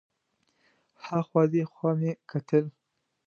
ها خوا دې خوا به مې کتل.